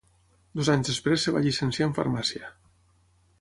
Dos anys després es va llicenciar en farmàcia.